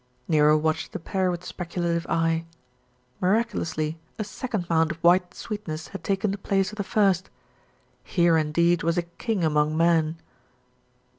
Nero watched the pair with speculative eye. Mirac ulously a second mound of white sweetness had taken the place of the first. Here indeed was a king among men.